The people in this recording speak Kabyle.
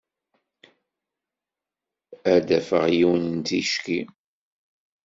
Ad d-afeɣ yiwen ticki.